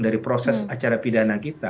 dari proses acara pidana kita